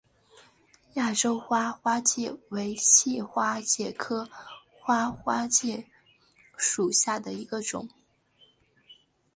亚洲花花介为细花介科花花介属下的一个种。